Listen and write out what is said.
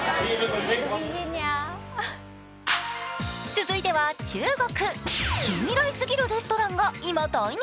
続いては中国。